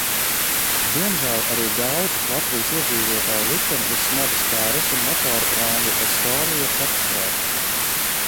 "Diemžēl arī daudzu Latvijas iedzīvotāju likteni ir smagi skārusi motorprāmja "Estonia" katastrofa."